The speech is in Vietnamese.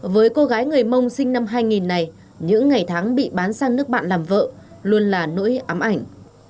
với cô gái người mông sinh năm hai nghìn này những ngày tháng bị bán sang nước bạn làm vợ luôn là nỗi ám ảnh